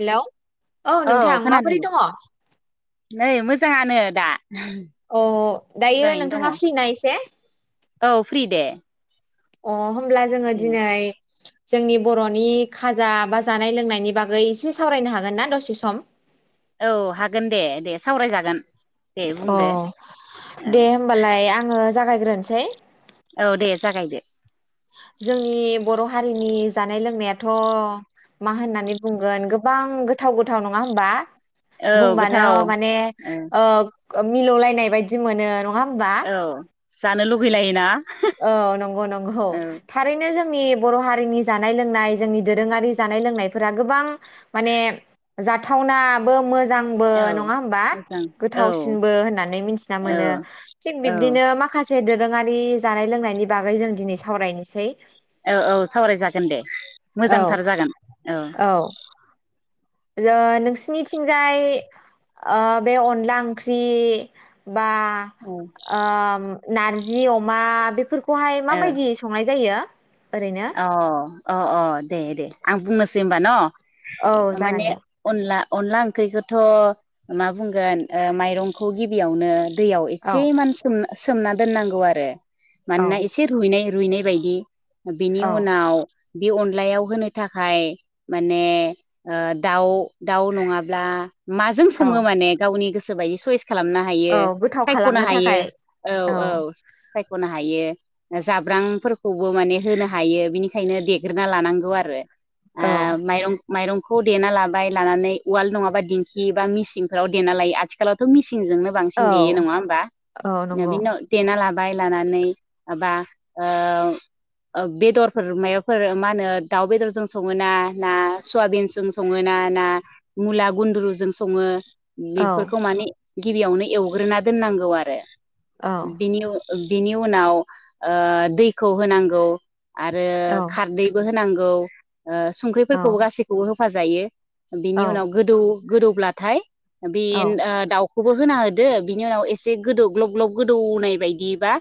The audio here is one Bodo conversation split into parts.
हेलौ औ नोंथां खोनादों माबोरै दे दङ? नै मोजाङानो दा। अ दायो मोजाङैनो नोंथाङा दङ फ्रि ना इसे? औ [inaudible] अ होनब्ला जोङो दिनै जोंनि बर'नि खाजा बा जानाय लोंनायनि बागै एसे सावरायनो हागोन ना दसे सम? औ हागोन दे दे सावरायजागोन दे अ बुंदो। दे होमबालाय आङो जागायग्रोनोसै। औ दे। जागायदो जोंनि बर' हारिनि जानाय लोंनायाथ' मा होननानै बुंगोन गोबां गोथाव गोथाव नङा होमबा? औ बुंबानो गोथाव माने ओ ग मिलौलायनाय बायदि मोनो नङा होमबा? औ। जानो लुगैलायोना औ। नि बर' हारिनि जानाय लोंनाय जोंनि दोरोङारि जानाय लोंनायफोरा गोबां माने जाथावनाबो मोजां। बो औ नङा होनबा मोजां औ गोथावसिनबो होननानै मिथि औ मोनो थिग औ बिबदिनो मा से दोरोङारि जानाय लोंनायनि बागै जों दिनै सावरायनोसै। औ औ सावरायजागोन दे औ मोजांथार जागोन औ। जो नोंसिनिथिंजाय ओ बे अनला ओंख्रि बा औ ओ नारजि अमा बेफोरखौ खौहाय मा बायदि संनाय जायो? ओरैनो अ। अ अ दे दे आं बुंनोसै होनबा न'? औ जागोन माने दे अनला अनला ओंख्रिखौथ' मा बुंगोन ओ माइरंखौ गिबियावनो दैयाव औ एसे मान सोमना सोमना दोननांगौ आरो। मानोना औ एसे रुइनाय रुइनाय बायदि। बिनि औ उनाव- बे अनलायाव होनो थाखाय माने ओ दाउ दाउ नङाब्ला माजों सङो औ माने? गावनि गोसो [unintelligible] खालामनो हायो औ गोथाव सायख'नो खालामनो हायो थाखाय औ औ सायख'नो हायो। जाब्रांफोरखौबो माने- होनो हायो बिनिखायनो देग्रोना लानांगौ आरो औ ओ माइरं माइरंखौ देना लाबाय लानानै उवाल नङाबा दिंखि एबा मिसिनफोराव देना लायो आथिखालावथ' मिसिन मिसिंजोंनो औ बांसिन देयो नङा होमबा औ नंगौ देना लाबो बाय लानानै माबा ओ ओ बेदरफोर माबाफोर मा होनो दाउ बेदरजों सङो ना ना सवाबिनजों सङो ना ना मुला गुन्द्रुजों सङो- औ बेफोरखौ माने गिबियावनो एवग्रोना दोननांगौ आरो औ बिनियाव बिनि उनाव दैखौ होनांगौ आरो औ खारदैबो हो नांगौ औ संख्रिफोरखौबो गासैखौबो होफाजायो बिनि औ उनाव गोदौ गोदौब्लाथाय बे औ दाउ खौबो होना होदो बिनि उनाव एसे गोदौ ग्लब ग्लब गोदौनाय बायदिबा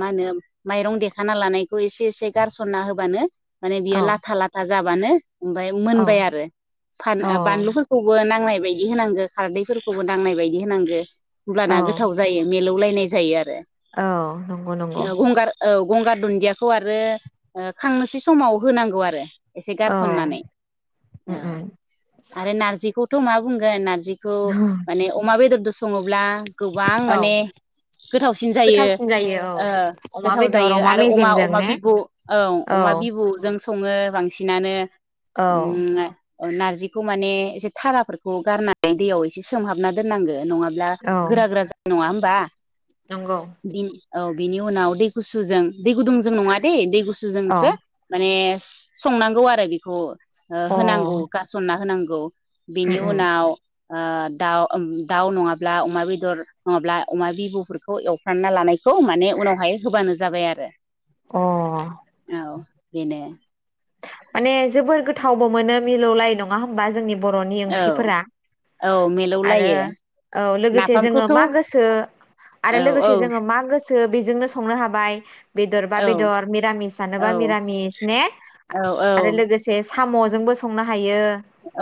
मा होनो- माइरं देखाना लानाय बे खौ एसे एसे गारसनना होबानो माने बियो औ लाथा लाथा जाबानो ओमफ्राय औ मोनबाय आरो फान बानलुफोरखौबो नांनाय बायदि होनांगौ खारदैफोरखौबो दांनाय बायदि होनांगौ। होमब्लाना औ गोथाव जायो मिलौलाय नाय जायो आरो। औ नंगौ नंगौ गंगार औ गंगार दुन्दिया बेखौ आरो खांनोसै समाव होनांगौ आरो एसे औ गारसननानै उम उम आरो नारजिखौ थ मा बुंगोन नान बिखौ माने अमा बेदरदोसो संङोब्ला गोबां औ माने गोथावसिन जायो गोथावसिन जायो औ अमा गोथाव बेदर जायो आरो अमा अ मेजेमजों अमा ने बिबु औ अमा बिबु जोंसो सङो बांसिनानो औ उम नारजिखौ माने एसे थाराफोरखौ गारनानै दैयाव एसे सोमहाबना दोननांगो नङाब्ला औ गोरा गोरा जानाय नङा बा नंगौ बिन औ बिनि उनाव दै गुसुजों दै गुदुं जों नङा दे दैु गुस औ गुसुजोंसो अ माने संनांगौ आरो बेखौ होनांगौ गारसनना होनां गौ उम बिनि उम उनाव ओ दाउ ओम दाउ नङाब्ला अमा बेदर नङाब्ला अमा बिबुफोरखौ एवफ्रामना लानायखौ माने उनावहाय होबानो जाबाय आरो अ बिनो माने जोबोर गोथावबो मोनो मिलौलायो नङा होमबा जोंनि बर'नि औ ओंख्रिफोरा औ आरो मिलौलायो औ लोगोसे जोङो नाफामखौथ' मा औ गोसो आरो लोगोसे औ जोङो मा गोसो खो बेजोंनो संनो हाबाय बेदरबा औ बेदर मिरामिस औ जानोबा मिरामिस ने औ औ आरो लोगोसे साम'जोंबो संनो हाय यो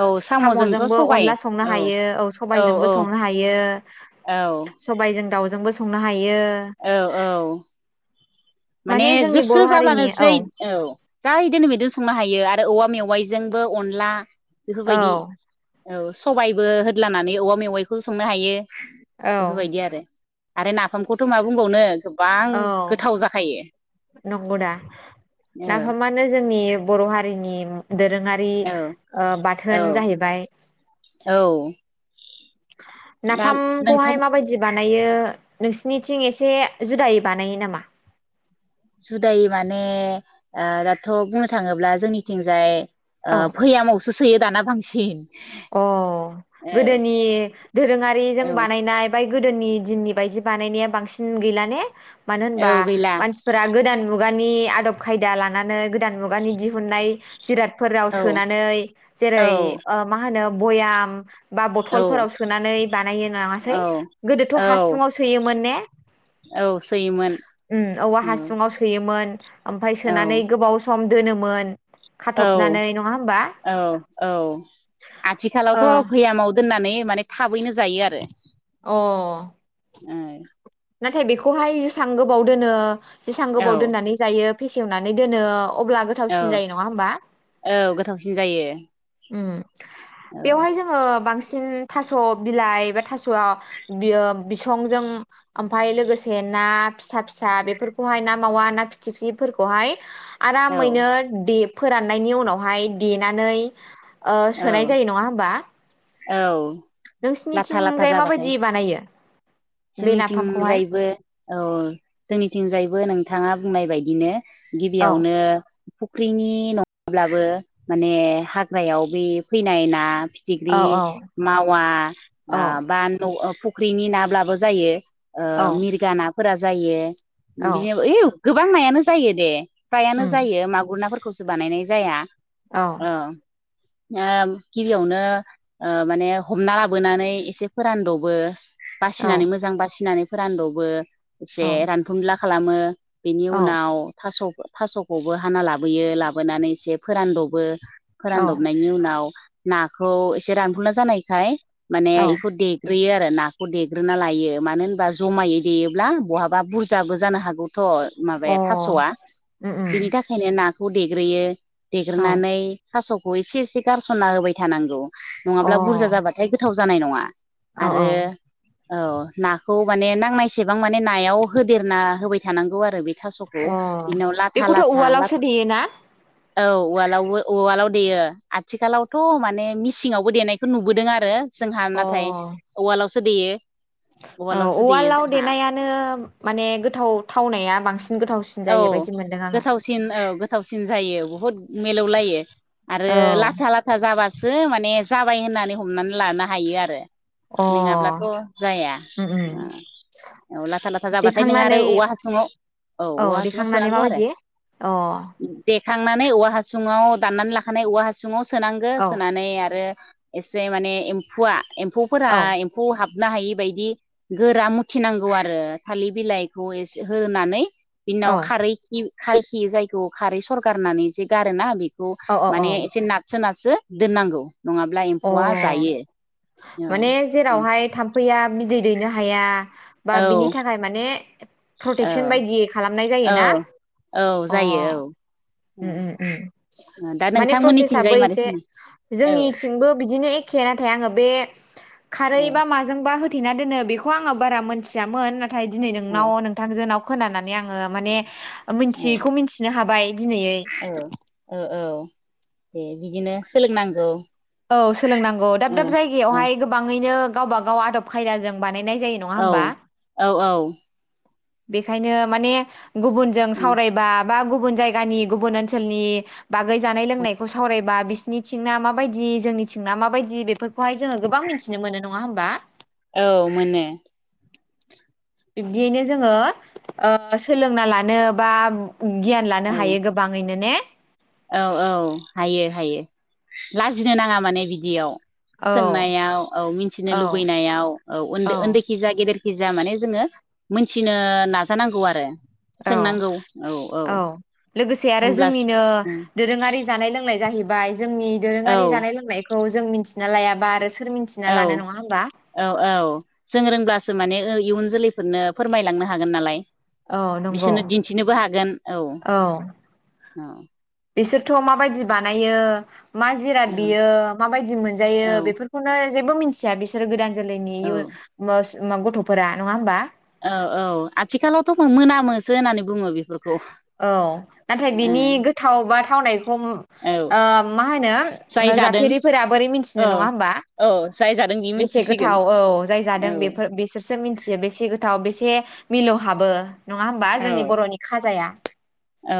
औ साम'जोंथ' साम'जोंबो सबाय अनला संनो औ हायो औ सबाइजोंबो संनो हायो औ सबाइजों दाउजोंबो सं संनो हायो औ औ माने जोंनि गोसो बर' हारिनि जाब्लानो जै औ जा इदिनो बेैद संनो हायो आरो आरो औवा मेवाइजोंबो अनला औ बेफोरबायदि औ सबाइबो होदलानानै औबा मेवाइखौ संनो हायो औ बेफोरबायदि आरो आरो नाफामखौथ' माबा बुंबावनो गोबां गोथाव जाख नंगौदा औ नाफामानो जोंनि बर' हारि जोंनि दोरोङारि औ औ बाथोन जाहैबाय औ दा नोंथां नाफामखौहाय माबायदि बानायो नोंसिनिथिं एसे जुदायै बानायो नामा जुदाय माने ओ दाथ' बुंनो थाङोब्ला जोंनिथिंजाय औ भैयामावसो सोयो दाना बांसिन सिन अ गोदोनि दोरोङारिजों औ बानायनाय बाय गोदोनि दिननि बायदि बानायनाया बांसिन गैला ने मानो औ होनबा गैला मानसिफोरा गोदान मुगानि आदब खायदा लानानै गोदान मुगानि दिहुननाय जिरादफोराव औ सोनानै औ जेरै ओ होनो बयाम बा औ बथलफोराव सोनानै बानायो नङासै औ गोदोथ' औ हासुङाव सोयोमोन ने औ सोयोमोन औवा औ हासुुंआव सोयोमोन ओमफाय औ सोनानै गोबाव सम दोनोमोन औ खाथबनानै नङा होमबा औ औ आथिखालावथ' फैयामाव दोन होननानै माने थाबैनो जायो आरो ओ अ ओ नाथाय बेखौहाय जेसेबां गोबाव दोनो जेसां औ गोबाव दोननानै जायो फेसेवनानै दोनो अब्ला औ गोथावसिन जायो नङा होमबा औ गोथावसिन जायो। ओम औ बेवहाय जोङो बांसिन थास' बिलाइ बा थास'आव बियो बिसंजों ओमफाय लोगोसे ना फिसा फिसा बेफोरखौहाय ना मावा ना फिथिख्रिफोरखौहाय औ आरामैनो दिप फोराननायनि उनावहाय देनानै ओ औ सोनाय जायो नङा होमबा औ लाथा लाथा नोंसिनिथिंजाय जाबाथाय माबायदि बानायो बे जोंनि नाफामखौहाय थिंजायैबो औ जोंनिथिंजायबो नों थाङा बुंनाय बायदिनो औ गिबियावनो फुख्रिनि नङाब्लाबो माने हाग्रायाव बे फैनाय ना औ फिथिख्रि औ मावा औ आ बा न' ओ फ ख्रिनि नाब्लाबो जायो। ओ औ मिरगा नाफोरा जायो। औ बियो [unintelligible] गोबां नायानो जायो दे। फ्रायानो उम जायो मागुर नाफोर खौसो बानायनाय जाया। औ अ ओ गिबियावनो ओ माने हमना लाबोनानै एसे फोरानद'बो औ बासिनानै मोजां बासिनानै फोरानद'बो औ एसे रानफुंला खालामो बेनि औ उनाव थास' थास'खौबो हाना लाबोयो लाबोनानै एसे फोरानद'बो औ फोरानद'बना याव नाखौ एसे रानफुनला जानायखाय माने औ अ इखौ दे ग्रोयो आरो नाखौ देग्रोना लायो मानो होनबा जमायै देयोब्ला बहाबा बुरजाबो जानो हागौ थ' माबाया थास'आ उम उम बिनि थाखायनो ना खौ देग्रोयो औ देग्रोनानै थास' खौ एसे एसे गारस'ना होबाय थानांगौ नङाब्ला बुरजा जाबाथाय गोथाव जानाय नङा अ औ आरो औ औ नाखौ माने नांनायसेबां माने नायाव होदेरना होबाय थानांगौ आरो बे थास'खौ अ बिनाव लाथा बेखौथ' लाथा उवालावसो लाथा देयो ना? औ उवालाव उवालाव देयो आथिखालावथ' माने मिसिंआवबो देनायखौ नुबोदों आरो जोंहा अ नाथाय उवालाव देयो औ उवालावसो देयो उवालाव जोंहा देनायानो माने गोथाव थावनाया बां औ गोथावसिन औ गोथावसिन जायो बहुद मिलौलायो आरो लाथा लाथा जाबा सो माने जाबाय होननानै हमनानै लानो हायो आरो औ नङाब्लाथ' अ जाया उम उम औ लाथा लाथा जाबाथाय नों आरो देखांनानै औवा हासुङाव औ औवा हासुङाव देखांनानै सोनांगौ आरो माबायदि अ औ देखांनानै औवा हासुं सिङाव दाननानै लाखानाय औवा हासुंआव सोनांगो औ सोनानै आरो एसे माने एम्फुवा एम्फौफोरा औ एम्फौ हाब हाबनो हायि बायदि गोरा मुथिनांगौ आरो थालिर बिलाइखौ एसे होनानै बिनि उनाव खारै खिउ खायखि जायखौ खारै सरगारनानै जे गारोना बे खौ औ औ माने एसे नारसो नार सो दोननांगौ नङाब्ला औ एम्फौआ अ जायो औ उम फैया बिदै दैनो हाया बा औ बिनि थाखाय माने प्रटेकसन औ बायदियै खालाम नाय जायोना औ औ अ जायो उम उम उम औ दा माने नोंथांमोननिथिंजाय प्रसेसआबो मारै एसे सङो औ जोंनि बिदिनो एखे नाथाय आङो बे औ खारैबा माजोंबा [unintelligible] थेना दोनो बेखौ आङो बारा मोन्थियामोन [unintelligible] नाथाय दिनै नोंनाव औ नोंथांजोंनाव खोनानानै आङो माने औ मोनथियैखौ मिथिनो हाबाय दिनैयै औ औ औ [inaudible] बिदिनो सोलोंनांगौ औ सोलोंनांगौ दाब ओ दाब ओ जायगायावहाय गोबाङैनो गावबा गाव आदब खायदाजों बानाय नाय जायो नङा होमबा? [inaudible] बेखायनो माने गुबुनजों सावरायबा बा गुबुन जायगानि गुबुन ओनसोलनि बागै जानाय लोंनायखौ सावरायबा बिसिनि थिंना माबायदि जोंनिथिंना माबायदि बेफोरखौहाय जोङो गोबां मिथिनो मोनो नङा होमबा? औ मोनो। बिब्दियैनो जोङो ओ सोलोंना लानो बा गियान लानो औ हायो गोबाङैनो ने? औ औ हायो हायो। लाजिनो नाङा माने बिदियाव। औ सोंनायाव औ मिथिनो औ लुबैनायाव औ ओन्दै ओन्दैखि जा गेदेर खिजाया माने जोङो मोनथिनो नाजानांगौ आरो औ सोंनांगौ औ औ लोगोसे आरो होमब्लासो जोंनिनो दोरोङारि जानाय लों [unintelligible] नाय जाहैबाय। जोंनि औ दोरोङारि जानाय लोंनायखौ जों मिथि ना लायाबा आरो सोर मिथिना औ लानो नङा होमबा औ औ जों रोंब्लासो माने ओ इयुन जोलैफोरनो फोरमायलांनो हागोन नालाय। औ नंगौ बिसोरनो दिन्थिनोबो हागोन औ। [unintelligible] बिसोरथ' माबायदि बानायो। मा जिराद औ बियो माबायदि औ मोनजायो बेफोरखौनो जेबो मिथिया बिसोरो गोदान जोलैनि औ इ मस मा गथ'फोरा नङा होमबा? औ औ आथिखालावथ' मो-मोनामोसो होननानै बुङो बेखौ। औ नाथाय बिनि गोथाव बाथ थावनाय हमो औ ओ मा जाय होनो जादों जाफेरिफोरा बोरै मिथिनो औ नङा होमबा औ जाय जादों बि बेसे मिथिसिगोन गोथाव औ जाय औ जादों बेफोर बिसोरसो मिन चियो बेसे गोथाव बेसे मिलौहाबो। नङा होमबा औ जोंनि बर'नि खाजाया? औ।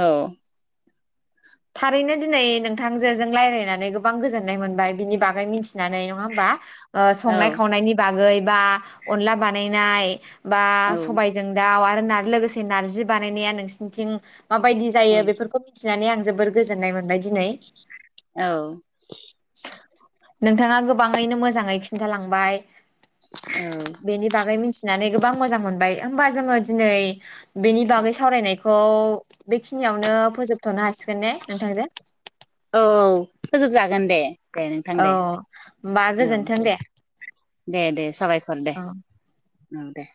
थारैनो दिनै नोंथां जोजों रायज्लायनानै गोबां गोजोननाय मोनबाय बिनि बागै मिथि नानै नङा होमबा ओ औ संनाय खावनायनि बागै बा अनला बानायनाय। बा सबायजों दाउ आरो आरो लोगोसे नारजि बानायनाया नोंसिनिथिं माबायदि औ जायो बेफोरखौ मिथिनानै आं जोबोर गोजोननाय मोनबाय दिनै। औ। नोंथाङा गोबाङैनो मोजाङै खिन्थालांबाय। औ बेनि बागै मिथिनानै गोबां मोजां मोनबाय होमबा जोङो दिनै बेनि बागै सावरायनायखौ बेखिनियावनो फोजोबथ'नो हासिगोन ने नोंथांजों? औ फोजोबजागोन दे दे नोंथां औ दे होमबा औ गोजोन्थों दे दे दे साबायखर दे। औ उम दे।